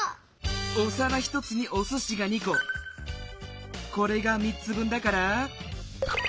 おさら１つにおすしが２ここれが３つ分だから。